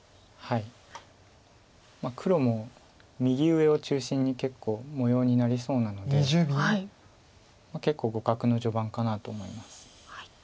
はい黒も右上を中心に結構模様になりそうなので結構互角の序盤かなと思います。